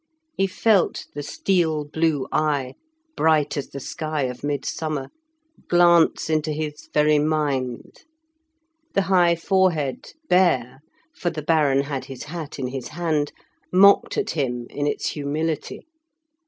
He felt the steel blue eye, bright as the sky of midsummer, glance into his very mind. The high forehead bare, for the Baron had his hat in his hand, mocked at him in its humility.